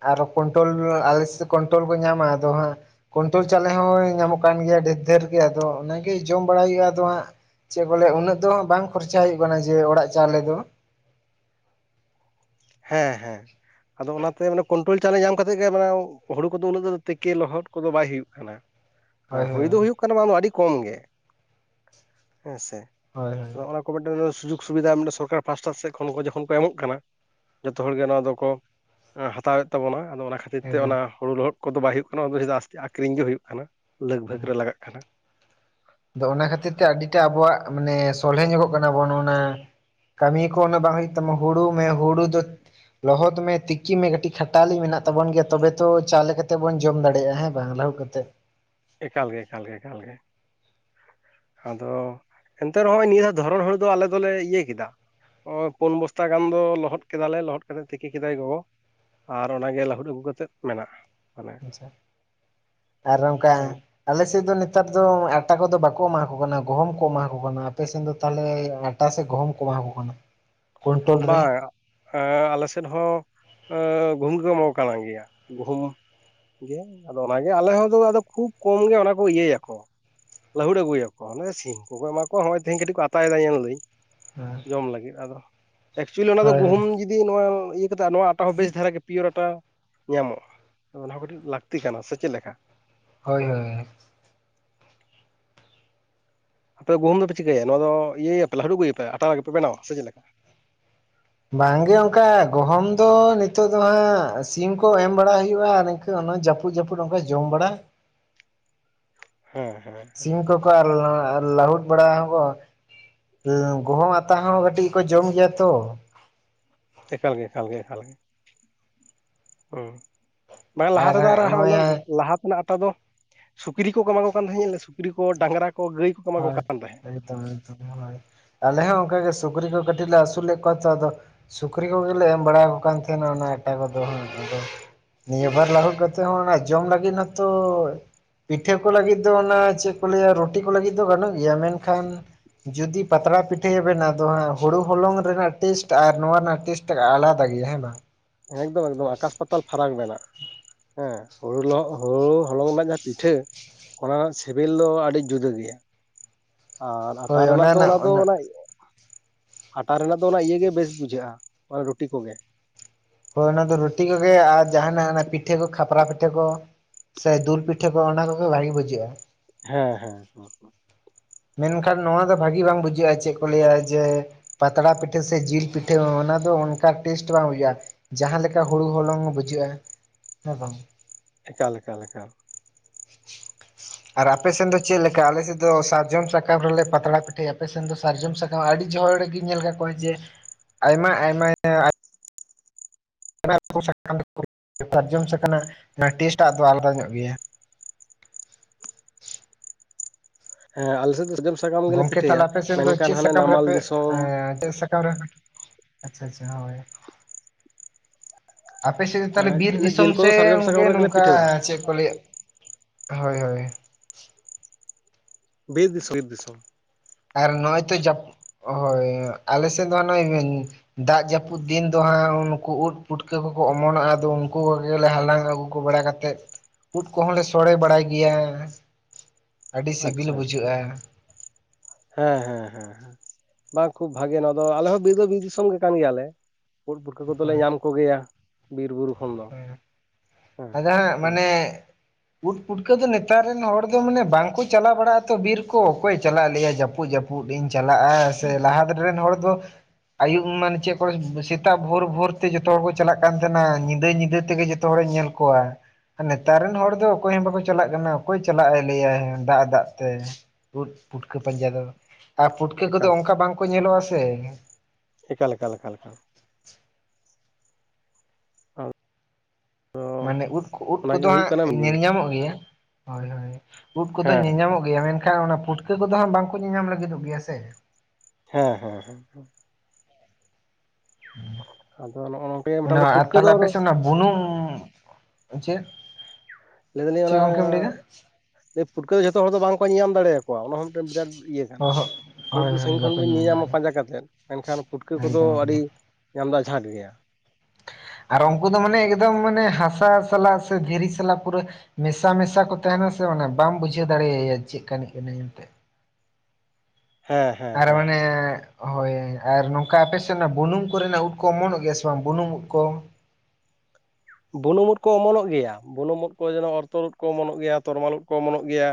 B: ᱟᱨᱚ ᱠᱚᱱᱴᱨᱳᱞ ᱟᱞᱮᱥ ᱠᱚᱱᱴᱨᱳᱞ ᱠᱚ ᱧᱟᱢᱟ ᱟᱫᱚ ᱦᱟᱸᱜ᱾ ᱠᱚᱱᱴᱨᱳᱞ ᱪᱟᱣᱞᱮ ᱦᱚᱸ ᱧᱟᱢᱚᱜ ᱠᱟᱱ ᱜᱮᱭᱟ ᱰᱷᱮᱨ ᱰᱷᱮᱨ ᱜᱮ ᱟᱫᱚ ᱚᱱᱟᱜᱮ ᱡᱚᱢ ᱵᱟᱲᱟᱭ ᱦᱩᱭᱩᱜᱼᱟ ᱟᱫᱚ ᱦᱟᱸᱜ᱾ ᱪᱮᱫ ᱠᱚᱞᱭᱟ ᱩᱱᱟᱹᱜ ᱫᱚ ᱵᱟᱝ ᱠᱷᱚᱨᱪᱟ ᱦᱩᱭᱩᱜ ᱠᱟᱱᱟ ᱡᱮ ᱚᱲᱟᱜ ᱪᱟᱣᱞᱮ ᱫᱚ᱾
A: ᱦᱮᱸ ᱦᱮᱸ᱾ ᱟᱫᱚ ᱚᱱᱟᱛᱮ ᱢᱟᱱᱮ ᱠᱚᱱᱴᱨᱳᱞ ᱪᱟᱣᱞᱮ ᱧᱟᱢ ᱠᱟᱛᱮᱜ ᱜᱮ ᱢᱟᱱᱮ ᱦᱩᱲᱩ ᱠᱚᱫᱚ ᱩᱱᱟᱹᱜ ᱫᱚ ᱛᱤᱠᱮ ᱞᱚᱦᱚᱫ ᱠᱚᱫᱚ ᱵᱟᱭ ᱦᱩᱭᱩᱜ ᱠᱟᱱᱟ᱾ [inaudible]
B: ᱦᱳᱭ
A: ᱦᱮᱭ ᱦᱩᱭ ᱫᱚ
B: ᱦᱳᱭ
A: ᱦᱩᱭᱩᱜ ᱠᱟᱱᱟ ᱵᱟᱝ ᱫᱚ ᱟᱹᱰᱤ ᱠᱚᱢ ᱜᱮ ᱦᱮᱸᱥ
B: ᱦᱳᱭ ᱦᱳᱭ
A: ᱟᱫᱚ ᱚᱱᱟ᱾ ᱢᱤᱫᱮᱱ ᱥᱩᱡᱳᱜᱽ ᱥᱩᱵᱤᱫᱷᱟ ᱢᱤᱫᱮᱱ ᱥᱚᱨᱠᱟᱨ ᱯᱟᱥᱴᱟ ᱥᱮᱫ ᱠᱷᱚᱱ ᱠᱚ ᱡᱚᱠᱷᱚᱱ ᱠᱚ ᱮᱢᱚᱜ ᱠᱟᱱᱟ᱾ ᱡᱚᱛᱚ ᱦᱚᱲ ᱜᱮ ᱱᱚᱣᱟ ᱫᱚᱠᱚ ᱦᱟᱛᱟᱣᱮᱫ ᱛᱟᱵᱚᱱᱟ ᱟᱫᱚ ᱚᱱᱟ ᱠᱷᱟᱹᱛᱤᱨ ᱛᱮ
B: ᱮᱠᱫᱚᱢ
A: ᱚᱱᱟ ᱦᱩᱲᱩ ᱞᱚᱦᱚᱫ᱾ ᱠᱚᱫᱚ ᱵᱟᱭ ᱦᱩᱭᱩᱜ ᱠᱟᱱᱟ ᱚᱱᱟ ᱫᱚ ᱟᱥᱛᱤ ᱟᱠᱷᱨᱤᱧ ᱜᱮ ᱦᱩᱭᱩᱜ ᱠᱟᱱᱟ ᱞᱟᱜᱽ
B: ᱦᱩᱸ
A: ᱵᱷᱟᱜᱽ ᱨᱮ ᱞᱟᱜᱟᱜ ᱠᱟᱱᱟ᱾
B: ᱟᱫᱚ ᱚᱱᱟ ᱠᱷᱟᱹᱛᱤᱨ ᱛᱮ ᱟᱹᱰᱤᱴᱟ ᱟᱵᱚᱣᱟᱜ ᱢᱟᱱᱮ ᱥᱚᱞᱦᱮ ᱧᱚᱜᱚᱜ ᱠᱟᱱᱟ ᱵᱚᱱ ᱚᱱᱟ᱾ ᱠᱟᱹᱢᱤ ᱠᱚ ᱚᱱᱟ ᱵᱟᱝ ᱦᱩᱭᱩᱜ ᱛᱟᱢᱟ ᱦᱩᱲᱩ ᱢᱮ ᱦᱩᱲᱩ ᱫᱚ᱾ ᱞᱚᱦᱚᱫ ᱢᱮ ᱛᱤᱠᱤ ᱢᱮ ᱠᱟᱹᱴᱤᱡ ᱠᱷᱟᱴᱟᱞᱤ ᱢᱮᱱᱟᱜ ᱛᱟᱵᱚᱱ ᱜᱮᱭᱟ ᱛᱚᱵᱮ ᱛᱚ ᱪᱟ ᱠᱟᱛᱮ ᱵᱚᱱ ᱡᱚᱢ ᱫᱟᱲᱮᱭᱟᱜᱼᱟ ᱦᱮᱸ᱾ ᱵᱟᱝᱞᱟᱣ ᱠᱟᱛᱮᱫ?
A: ᱮᱠᱟᱞᱜᱮ ᱮᱠᱟᱞ ᱜᱮ ᱮᱠᱟᱞ ᱜᱮ᱾ ᱟᱫᱚ ᱮᱱᱛᱮ ᱱᱚᱜᱼᱚᱭ ᱱᱤᱭᱟᱹ ᱫᱷᱚᱨᱚᱱ ᱦᱩᱲᱩ ᱫᱚ ᱟᱞᱮ ᱫᱚᱞᱮ ᱤᱭᱟᱹ ᱠᱮᱫᱟ᱾ ᱯᱩᱱ ᱵᱚᱥᱛᱟ ᱜᱟᱱ ᱫᱚ ᱞᱚᱦᱚᱫ ᱠᱮᱫᱟᱞᱮ ᱞᱚᱦᱚᱫ ᱠᱟᱛᱮᱜ ᱛᱤᱠᱤ ᱠᱮᱫᱟᱭ ᱜᱚᱜᱚ᱾ ᱟᱨ ᱚᱱᱟᱜᱮ ᱞᱟᱹᱦᱩᱫ ᱟᱹᱜᱩ ᱠᱟᱛᱮᱫ ᱢᱮᱱᱟᱜᱼᱟ᱾ ᱢᱟᱱᱮ
B: ᱟᱪᱪᱷᱟ ᱟᱨ ᱱᱚᱝᱠᱟ᱾ ᱟᱞᱮᱥᱮᱫ ᱫᱚ ᱱᱮᱛᱟᱨ ᱫᱚ ᱟᱴᱟ ᱠᱚᱫᱚ ᱵᱟᱠᱚ ᱮᱢᱟ ᱠᱚ ᱠᱟᱱᱟ? ᱜᱚᱦᱩᱚᱢ ᱠᱚ ᱮᱢᱟ ᱠᱚ ᱠᱟᱱᱟ᱾ ᱟᱯᱮᱥᱮᱫ ᱫᱚ ᱛᱟᱦᱚᱞᱮ? ᱯᱟ ᱥᱮ ᱜᱚᱦᱚᱢ ᱠᱚ ᱮᱢᱟ ᱠᱚ ᱠᱟᱱᱟ᱾ ᱠᱩᱭᱱᱴᱚᱞ ᱨᱮ
A: ᱵᱟᱝ ᱟᱞᱮ ᱥᱮᱫ ᱦᱚᱸ ᱜᱩᱦᱩᱢᱜᱮᱠᱚ ᱮᱢᱚᱜ ᱠᱟᱱᱟ ᱜᱮᱭᱟ ᱜᱩᱦᱩᱢ᱾ ᱜᱮ ᱟᱫᱚ ᱚᱱᱟᱜᱮ ᱟᱞᱮ ᱦᱚᱸ ᱟᱫᱚ ᱠᱷᱩᱵ ᱠᱚᱢ ᱜᱮ ᱚᱱᱟ ᱠᱚ ᱤᱭᱟᱹᱭᱟᱠᱚ᱾ ᱞᱟᱹᱦᱩᱲ ᱟᱹᱜᱩᱭᱟᱠᱚ ᱱᱚᱜᱚᱭ ᱥᱤᱢ ᱠᱚᱠᱚ ᱢᱟᱠᱚ ᱱᱚᱜᱼᱚᱭ ᱛᱮᱦᱮᱧ ᱠᱟᱹᱴᱤᱡ ᱠᱚ ᱟᱛᱟᱭᱮᱫᱟ ᱧᱮᱞ ᱢᱮᱥᱮ᱾
B: ᱦᱳᱭ
A: ᱡᱚᱢ ᱞᱟᱹᱜᱤᱫ ᱟᱫᱚ ᱮᱠᱪᱩᱞᱤ ᱚᱱᱟ ᱫᱚ
B: ᱦᱳᱭ
A: ᱜᱩᱦᱩᱢ ᱡᱩᱫᱤ ᱱᱚᱣᱟ ᱤᱭᱟᱹ ᱠᱟᱛᱮ ᱱᱚᱣᱟ᱾ ᱚᱱᱟ ᱦᱚᱸ ᱵᱮᱥ ᱫᱷᱟᱨᱟ ᱜᱮ ᱯᱤᱭᱚᱨ ᱟᱴᱟ ᱧᱟᱢᱚᱜᱼᱟ ᱚᱱᱟ ᱦᱚᱸ ᱠᱟᱹᱴᱤᱡ ᱞᱟᱹᱠᱛᱤ ᱠᱟᱱᱟ᱾ ᱥᱮ ᱪᱮᱫ ᱞᱮᱠᱟ?
B: ᱦᱳᱭᱼᱦᱳᱭ᱾
A: ᱛᱚᱵᱮ ᱜᱩᱦᱩᱢ ᱫᱚᱯᱮ ᱪᱤᱠᱟᱹᱭᱟ ᱱᱚᱣᱟ ᱫᱚ ᱤᱭᱟᱹ ᱭᱟᱯᱮ ᱦᱟ. ᱲᱟᱰ ᱦᱩᱭᱟᱯᱮ ᱟᱛᱟᱨᱟᱜ ᱜᱮᱯᱮ ᱵᱮᱱᱟᱣᱟ ᱥᱮ ᱪᱮᱫ ᱞᱮᱠᱟ?
B: ᱵᱟᱝᱜᱮ ᱚᱱᱠᱟ ᱜᱚᱦᱚᱢ ᱫᱚ ᱱᱤᱛᱚᱜ ᱫᱚ ᱦᱟᱸᱜ ᱥᱤᱢ ᱠᱚ ᱮᱢ ᱵᱟᱲᱟ ᱦᱩᱭᱩᱜᱼᱟ᱾ ᱚᱱᱟ ᱡᱟᱹᱯᱩᱜ ᱡᱟᱹᱯᱩᱜ ᱚᱱᱠᱟ ᱡᱚᱢ ᱵᱟᱲᱟ᱾
A: ᱦᱮᱸ ᱦᱮᱸ᱾
B: ᱥᱤᱢ ᱠᱚᱠᱚ ᱟᱨ ᱞᱟᱹᱦᱩᱫ ᱵᱟᱲᱟ ᱦᱚᱸᱵᱚ᱾ ᱜᱚᱦᱚᱢ ᱟᱛᱟ ᱦᱚᱸ ᱠᱟᱹᱴᱤᱡ ᱠᱚ ᱡᱚᱢ ᱜᱮᱭᱟ ᱛᱚ᱾
A: ᱮᱠᱟᱞ ᱜᱮ ᱮᱠᱟᱞ ᱜᱮ ᱮᱠᱟᱞ ᱜᱮ᱾ ᱦᱩᱸ ᱵᱟᱝ ᱞᱟᱦᱟ ᱛᱮᱫᱚ ᱟᱨ
B: ᱦᱟᱸᱜ ᱱᱚᱜᱼᱚᱭ
A: ᱚᱱᱟ
B: ᱦᱟᱸᱜ
A: ᱞᱟᱦᱟ ᱛᱮᱱᱟᱜ ᱟᱴᱟ ᱫᱚ? ᱥᱩᱠᱨᱤ ᱠᱚ ᱮᱢᱟᱠᱢᱟ ᱠᱚ ᱠᱟᱱ ᱛᱟᱦᱮᱸᱫᱮ ᱥᱩᱠᱨᱤ ᱠᱚ ᱰᱟᱝᱨᱟ ᱠᱚ ᱜᱟᱹᱭ ᱠᱚ᱾ ᱮᱢᱟ ᱠᱟᱱ ᱛᱟᱦᱮᱸᱫ
B: [unintelligible] ᱟᱞᱮ ᱦᱚᱸ ᱚᱱᱠᱟ ᱜᱮ ᱥᱩᱠᱨᱤ ᱠᱚ ᱠᱟᱹᱴᱤᱡ ᱞᱮ ᱟᱹᱥᱩᱞ ᱞᱮᱫ ᱠᱚᱣᱟ ᱛᱚ ᱟᱫᱚ ᱥᱩᱠᱨᱤ ᱠᱚᱜᱮᱞᱮ ᱮᱢ ᱵᱟᱲᱟᱣ ᱟᱠᱚ ᱠᱟᱱᱟ ᱾ ᱠᱟᱱ ᱛᱟᱦᱮᱱᱟ ᱚᱱᱟ ᱮᱴᱟᱜ ᱠᱚᱫᱚ ᱟᱫᱚ᱾ ᱱᱤᱭᱟᱹᱵᱟᱨ ᱞᱟᱹᱟᱦᱩᱫ ᱠᱟᱛᱮ ᱦᱚᱸ ᱚᱱᱟ ᱡᱚᱢ ᱞᱟᱹᱜᱤᱫ ᱢᱟᱛᱚ ᱯᱤᱴᱷᱟᱹ ᱠᱚ ᱞᱟᱹᱜᱤᱫ ᱫᱚ ᱚᱱᱟ ᱪᱮᱫ ᱠᱚ ᱞᱟᱹᱭᱟ ᱨᱩᱴᱤ ᱠᱚ ᱞᱟᱹᱜᱤᱫ ᱫᱚ ᱜᱟᱱᱚᱜ ᱜᱮᱭᱟ ᱢᱮᱱᱠᱷᱟᱱ ᱡᱩᱫᱤ ᱯᱟᱛᱲᱟ ᱯᱤᱴᱷᱟᱹᱭᱮ ᱵᱮᱱ ᱟᱫᱚ ᱦᱟᱸᱜ ᱦᱩᱲᱩ ᱦᱚᱞᱚᱝ ᱨᱮᱱᱟᱜ ᱴᱮᱥᱴ ᱟᱨ ᱱᱚᱣᱟ ᱨᱮᱱᱟᱜ ᱴᱮᱥᱴ᱾ ᱟᱞᱟᱫᱟ ᱜᱮᱭᱟ ᱦᱮᱸᱵᱟᱝ᱾
A: ᱮᱠᱫᱚᱢ ᱮᱠᱫᱚᱢ ᱟᱠᱟᱥᱯᱟᱛᱟᱞ ᱯᱷᱟᱨᱟᱠ ᱵᱮᱱᱟᱜ-ᱟ᱾ ᱦᱮᱸ ᱦᱩᱲᱩ ᱞᱚᱦᱚᱜ ᱦᱩᱲᱩ ᱦᱚᱞᱚᱝ ᱨᱮᱱᱟᱜ ᱡᱟᱦᱟᱸ ᱯᱤᱴᱷᱟᱹ᱾ ᱚᱱᱟ ᱨᱮᱱᱟᱜ ᱥᱤᱵᱤᱞ ᱫᱚ ᱟᱹᱰᱤ ᱡᱩᱫᱟᱹ ᱜᱮᱭᱟ᱾ ᱟᱨ ᱟᱴᱟ ᱨᱮᱱᱟᱜ ᱫᱚ ᱚᱱᱟ ᱫᱚ ᱚᱱᱟ ᱟᱴᱟ ᱨᱮᱱᱟᱜ ᱫᱚ ᱚᱱᱟ ᱤᱭᱟᱹᱟᱹᱜᱮ ᱵᱮᱥ ᱵᱩᱡᱷᱟᱹᱜᱼᱟ ᱨᱩᱴᱤ ᱠᱚᱜᱮ᱾
B: ᱦᱳᱭ ᱚᱱᱟ ᱫᱚ ᱨᱩᱴᱤ ᱠᱚᱜᱮ ᱟᱨ ᱡᱟᱦᱟᱱᱟᱜ ᱟᱱᱟ ᱯᱤᱴᱷᱟᱹ ᱠᱚ ᱠᱷᱟᱯᱨᱟ ᱯᱤᱴᱷᱟᱹ ᱠᱚ ᱥᱮ ᱫᱩᱞ ᱯᱤᱴᱷᱟᱹ ᱠᱚ ᱚᱱᱟ ᱠᱚᱜᱮ ᱵᱷᱟᱜᱤ ᱵᱩᱡᱷᱟᱹᱜᱼᱟ ᱾
A: ᱦᱮᱸ ᱦᱮᱸ᱾
B: ᱢᱮᱱᱠᱷᱟᱱ ᱱᱚᱣᱟ ᱫᱚ ᱵᱷᱟᱹᱜᱤ ᱵᱟᱝ ᱵᱩᱡᱷᱟᱹᱜ-ᱟ ᱪᱮᱫ ᱠᱚ ᱞᱟᱹᱭᱟ ᱡᱮ ᱯᱟᱛᱲᱟ ᱯᱤᱴᱷᱟᱹ ᱥᱮ ᱡᱤᱞ ᱯᱤᱴᱷᱟᱹ ᱦᱚᱸ ᱚᱱᱟ ᱫᱚ ᱚᱱᱠᱟ ᱴᱮᱥᱴ ᱵᱟᱝ ᱦᱩᱭᱩᱜ-ᱟ ᱾ ᱡᱟᱦᱟᱸ ᱞᱮᱠᱟ ᱦᱩᱲᱩ ᱦᱚᱞᱚᱝ ᱵᱩᱡᱷᱟᱹᱜᱼᱟ ᱦᱮᱸ ᱵᱟᱝ ᱾
A: ᱮᱠᱟᱞ-ᱮᱠᱟᱞ-ᱮᱠᱟᱞ᱾
B: [unintelligible] ᱟᱨ ᱟᱯᱮ ᱥᱮᱱ ᱫᱚ ᱪᱮᱫ ᱞᱮᱠᱟ ᱟᱞᱮᱥᱮᱫ ᱫᱚ ᱟᱨ ᱟᱯᱮ ᱥᱮᱱ ᱫᱚ ᱪᱮᱫ ᱞᱮᱠᱟ ᱟᱞᱮ ᱥᱮᱫ ᱫᱚ ᱥᱟᱨᱡᱚᱢ ᱥᱟᱠᱟᱢ ᱨᱮᱞᱮ ᱯᱟᱛᱲᱟ ᱯᱤᱴᱷᱟᱹᱭᱟ ᱟᱯᱮ ᱥᱮᱱ ᱫᱚ ᱥᱟᱨᱡᱚᱢ ᱥᱟᱠᱟᱢ ᱟᱹᱰᱤ ᱡᱦᱚᱲ ᱜᱮᱧ ᱧᱮᱞ ᱠᱟᱫ ᱠᱚᱣᱟ ᱡᱮ ᱟᱭᱢᱟ ᱟᱭᱢᱟ [unintelligible] ᱥᱟᱨᱡᱚᱢ ᱥᱟᱠᱟᱢ ᱨᱮᱱᱟ ᱚᱱᱟ ᱴᱮᱥᱴ ᱴᱟᱜ ᱫᱚ ᱟᱞᱟᱫᱟ ᱧᱚᱜ ᱜᱮᱭᱟ᱾
A: ᱦᱮᱸ ᱟᱞᱮᱥᱮᱫ
B: ᱜᱚᱢᱠᱮ ᱛᱟᱦᱞᱮ ᱟᱯᱮ ᱥᱮᱱ ᱫᱚ ᱪᱮᱫ ᱥᱟᱠᱟᱢ ᱨᱮᱯᱮ
A: ᱫᱤᱥᱚᱢ
B: [unintelligible] ᱟᱪᱪᱷᱟ ᱟᱪᱪᱷᱟ ᱦᱳᱭ᱾ ᱟᱯᱮ ᱥᱮᱫ ᱫᱚ ᱛᱟᱦᱚᱞᱮ ᱵᱤᱨ
A: ᱮᱸ
B: ᱫᱤᱥᱚᱢ
A: ᱡᱤᱞ
B: ᱥᱮ
A: ᱠᱚᱫᱚ ᱥᱟᱨᱡᱚᱢ ᱥᱟᱠᱟᱢ
B: ᱜᱚᱝᱠᱮ
A: ᱨᱮᱜᱮᱞᱮ
B: ᱱᱚᱝᱠᱟ
A: ᱯᱤᱴᱷᱟᱹ ᱵᱟᱲᱟᱭᱟ
B: ᱪᱮᱫ ᱠᱚ [unintelligible] ᱦᱳᱭ ᱦᱳᱭ᱾
A: ᱵᱤᱨ ᱫᱤᱥᱚᱢ ᱵᱤᱨ ᱫᱤᱥᱚᱢ ᱾
B: ᱟᱨ ᱱᱚᱜᱼᱚᱭ ᱛᱚ [inaudible] ᱦᱳᱭ ᱟᱞᱮᱥᱮᱫ ᱫᱚ ᱱᱚᱜᱼᱚᱭ ᱫᱟᱜ ᱡᱟᱹᱯᱩᱫ ᱫᱤᱱ ᱫᱚ ᱦᱟᱸᱜ ᱩᱱᱠᱩ ᱩᱫ ᱯᱩᱴᱠᱟᱹ ᱠᱚᱠᱚ ᱚᱢᱚᱱᱚᱜᱼᱟ ᱟᱫᱚ ᱩᱱᱠᱩ ᱠᱚᱜᱮᱞᱮ ᱦᱟᱞᱟᱝ ᱟᱹᱜᱩ ᱠᱚ ᱵᱟᱲᱟ ᱠᱟᱛᱮᱜ ᱩᱫ ᱠᱚᱦᱚᱸᱞᱮ ᱥᱚᱲᱮ ᱵᱟᱲᱟᱭ ᱜᱮᱭᱟ ᱾
A: ᱟᱪᱪᱷᱟ ᱟᱪᱪᱷᱟ ᱦᱮᱸ ᱦᱮᱸ ᱦᱮᱸ ᱦᱮ᱾ ᱵᱟᱝ ᱠᱷᱩᱵ ᱵᱷᱟᱜᱮ ᱱᱚᱣᱟ ᱫᱚ ᱟᱞᱮᱦᱚ ᱵᱤᱨ ᱫᱚ ᱵᱤᱨ ᱫᱤᱥᱚᱢ ᱜᱮ ᱠᱟᱱ ᱜᱮᱭᱟᱞᱮ ᱩᱫ ᱯᱩᱴᱠᱟᱹ ᱠᱚᱫᱚᱞᱮ
B: ᱦᱳᱭ
A: ᱧᱟᱢ ᱠᱚᱜᱮᱭᱟ ᱾ ᱵᱤᱨ ᱵᱩᱨᱩ ᱠᱷᱚᱱ ᱫᱚ᱾ ᱦᱮᱸ
B: ᱟᱫᱚ ᱦᱟᱸᱜ ᱢᱟᱱᱮ ᱯᱩᱴ ᱯᱩᱴᱠᱟᱹ ᱫᱚ ᱱᱮᱛᱟᱨ ᱨᱮᱱ ᱦᱚᱲ ᱫᱚ ᱢᱟᱱᱮ ᱵᱟᱝᱠᱚ ᱪᱟᱞᱟᱣ ᱵᱟᱲᱟᱜᱼᱟ ᱛᱚ ᱵᱤᱨ ᱠᱚ ᱚᱠᱚᱭᱮ ᱪᱟᱞᱟᱜ-ᱟ ᱞᱮᱭᱟ ᱡᱟᱹᱯᱩᱫ ᱡᱟᱹᱯᱩᱫ᱾ ᱯᱩᱫ ᱤᱧ ᱪᱟᱞᱟᱜᱼᱟ ᱥᱮ ᱞᱟᱦᱟ ᱫ ᱨᱮᱱ ᱦᱚᱲ ᱫᱚ ᱟᱭᱭᱩᱵ ᱢᱟᱱᱮ ᱪᱮᱫ ᱠᱚ ᱥᱮᱛᱟᱜ ᱵᱷᱳᱨ ᱵᱷᱳᱨ ᱛᱮ ᱡᱚᱛᱚ ᱦᱚᱲ ᱠᱚ ᱪᱟᱞᱟᱜ ᱠᱟᱱ ᱛᱟᱦᱮᱱᱟ ᱧᱤᱫᱟᱹᱭ ᱧᱤᱫᱟᱹ ᱛᱮᱜᱮ ᱡᱚᱛᱚ ᱦᱚᱲᱮ ᱧᱮᱞ ᱠᱚᱣᱟ᱾ ᱱᱮᱛᱟᱨ ᱨᱮᱱ ᱦᱚᱲ ᱫᱚ ᱚᱠᱚᱭ ᱦᱚᱸ ᱵᱟᱠᱚ ᱪᱟᱞᱟᱜ ᱠᱟᱱᱟ ᱚᱠᱚᱭ ᱪᱟᱞᱟᱜ ᱮ ᱞᱟᱹᱭᱟᱭ ᱫᱟᱜ ᱫᱟᱜ ᱛᱮ᱾ ᱯᱩᱴ ᱯᱩᱴᱠᱟᱹ ᱯᱟᱸᱡᱟ ᱫᱚ ᱟᱨ ᱯᱩᱴᱠᱟᱹ ᱠᱚᱫᱚ
A: ᱮᱠᱟᱞ
B: ᱚᱱᱠᱟ ᱵᱟᱝᱠᱚ ᱧᱮᱞᱚᱜᱼᱟ ᱥᱮ᱾
A: ᱮᱠᱟ ᱞᱮᱠᱟ ᱞᱮᱠᱟ᱾
B: ᱢᱟᱱᱮ ᱩᱫ ᱩᱫ
A: ᱚᱱᱟᱜᱮ
B: ᱠᱚᱫᱚ
A: ᱦᱩᱭᱩᱜ ᱠᱟᱱᱟ ᱢᱮᱱ
B: ᱦᱟᱸᱜ ᱧᱮᱞ
A: ᱡᱤᱱᱤᱥ
B: ᱧᱟᱢᱚᱜ ᱜᱮᱭᱟ ᱦᱳᱭ ᱦᱳᱭ᱾ ᱩᱫ ᱠᱚᱫᱚ
A: ᱦᱮᱸ
B: ᱧᱮᱧᱟᱢᱚᱜ ᱜᱮᱭᱟ ᱢᱮᱱᱠᱷᱟᱱ ᱚᱱᱟ ᱯᱩᱴᱠᱟᱹ ᱠᱚᱫᱚ ᱦᱟᱸᱜ ᱵᱟᱝᱠᱚ ᱧᱮᱧᱟᱢ ᱞᱟᱹᱜᱤᱫᱚᱜ ᱜᱮᱭᱟ ᱥᱮ᱾
A: ᱦᱮᱸ ᱦᱮᱸ ᱦᱮᱸ ᱦᱮᱸ᱾ ᱟᱫᱚ ᱱᱚᱜᱼᱚ ᱱᱚᱝᱠᱟ ᱜᱮ ᱢᱚᱴᱟᱢᱩᱴᱤ
B: ᱚᱱᱟ
A: ᱯᱩᱴᱠᱟᱹ
B: ᱛᱟᱦᱞᱮ
A: ᱫᱚ
B: ᱟᱯᱮ ᱥᱮᱱ ᱚᱱᱟ ᱵᱩᱱᱩᱝ ᱪᱮᱫ
A: ᱞᱟᱹᱭ ᱮ ᱫᱟᱞᱤᱧ
B: ᱪᱮᱫ
A: ᱚᱱᱟ
B: ᱜᱚᱝᱠᱮᱢ ᱞᱟᱹᱭᱫᱟ
A: ᱯᱷᱩᱴᱠᱟᱹᱣ ᱫᱚ ᱡᱷᱚᱛᱚ ᱦᱚᱲ ᱫᱚ ᱵᱟᱝᱠᱚ ᱧᱟᱢ ᱫᱟᱲᱮᱭᱟᱠᱚᱣᱟ ᱚᱱᱟ ᱦᱚᱸ ᱢᱤᱫᱴᱮᱱ ᱵᱤᱨᱟᱴ ᱤᱭᱟᱹ ᱠᱟᱱᱟ
B: ᱚ ᱦᱚᱸ
A: ᱩᱫ
B: ᱦᱳᱭ
A: ᱫᱚ
B: ᱦᱳᱭ
A: ᱥᱟᱺᱜᱤᱧ ᱠᱷᱚᱱ
B: ᱵᱟᱠᱚ
A: ᱵᱤᱱ
B: ᱧᱟᱢ
A: ᱧᱮᱧᱟᱢᱟ ᱯᱟᱸᱡᱟ
B: ᱫᱟᱲᱮᱭᱟᱜᱼᱟ
A: ᱠᱟᱛᱮᱫ, ᱢᱮᱱᱠᱷᱟᱱ ᱯᱩᱴᱠᱟᱹ ᱠᱚᱫᱚ
B: ᱮᱠᱫᱚᱢ
A: ᱟᱹᱰᱤ
B: ᱮᱠᱫᱚᱢ
A: ᱧᱟᱢ ᱫᱚ ᱟᱡᱷᱟᱸᱴ ᱜᱮᱭᱟ. ᱾
B: ᱟᱨ ᱩᱸᱠᱩ ᱫᱚ ᱢᱟᱱᱮ ᱮᱠᱫᱚᱢ ᱢᱟᱱᱮ ᱦᱟᱥᱟ ᱥᱟᱞᱟᱜ ᱥᱮ ᱫᱷᱤᱨᱤ ᱥᱟᱞᱟᱜ ᱯᱩᱨᱟᱹ ᱢᱮᱥᱟ ᱢᱮᱥᱟ ᱠᱚ ᱛᱟᱦᱮᱸᱱᱟ ᱥᱮ ᱚᱱᱮ ᱵᱟᱢ ᱵᱩᱡᱷᱟᱹᱣ ᱫᱟᱲᱮᱭᱟᱭᱟ ᱪᱮᱫ ᱠᱟ ᱱᱤᱡ ᱠᱟᱱᱟᱭ ᱢᱮᱱᱛᱮᱫ᱾
A: ᱦᱮᱸ ᱦᱮᱸ
B: ᱟᱨ
A: ᱦᱮᱸ
B: ᱚᱱᱮ ᱦᱳᱭᱻᱭ ᱟᱨ ᱱᱚᱝᱠᱟ ᱟᱯᱮᱥᱮᱫ ᱚᱱᱮ ᱵᱩᱱᱩᱢ ᱠᱚᱨᱮᱱᱟᱜ ᱩᱫ ᱠᱚ ᱚᱢᱚᱱᱚᱜ ᱜᱮᱭᱟ ᱥᱮ ᱵᱟᱝ ᱵᱩᱱᱩᱢ ᱩᱫ ᱠᱚ?
A: ᱵᱩᱱᱩᱢ ᱩᱫ ᱠᱚ ᱚᱢᱚᱱᱚᱜ ᱜᱮᱭᱟ, ᱵᱩᱱᱩᱢ ᱚᱫ ᱠᱚ ᱡᱚᱱᱚ ᱚᱨᱛᱚᱨ ᱩᱫ ᱠᱚ ᱚᱢᱚᱱᱚᱜ ᱜᱮᱭᱟ ᱛᱚᱨᱢᱟᱞ ᱩᱫ ᱠᱚ ᱚᱢᱚᱱᱚᱜ ᱜᱮᱭᱟ,